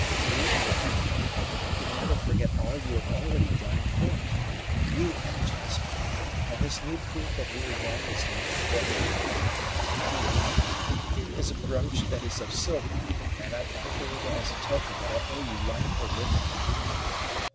"Believe me, Pathfinder, I can never forget all you have already done for me you and Jasper; and this new proof of your regard is not thrown away. Here, here is a brooch that is of silver, and I offer it as a token that I owe you life or liberty."